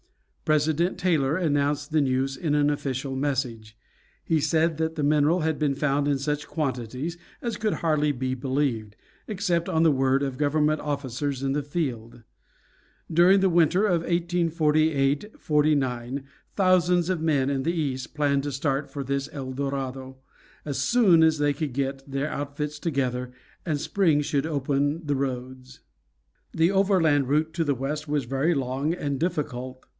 President Taylor announced the news in an official message. He said that the mineral had been found in such quantities as could hardly be believed, except on the word of government officers in the field. During the winter of 1848 49 thousands of men in the East planned to start for this El Dorado as soon as they could get their outfits together, and spring should open the roads. The overland route to the West was long and very difficult.